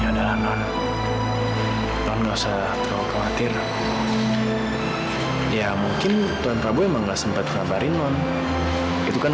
aduh sakit banget ini man